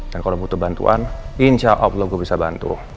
dan kalau butuh bantuan insya allah gue bisa bantu